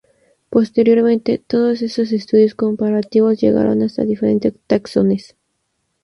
Posteriormente, todos estos estudios comparativos llegaron hasta diferentes taxones.